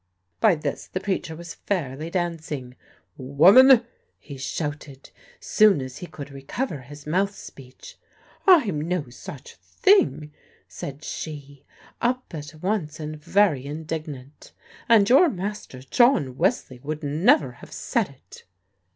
By this the preacher was fairly dancing. "Woman!" he shouted, soon as he could recover his mouth speech. "I'm no such thing!" said she, up at once and very indignant. "And your master, John Wesley, would never have said it."